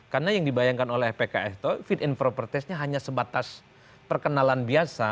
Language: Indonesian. karena yang dibayangkan oleh pks itu fit and proper testnya hanya sebatas perkenalan biasa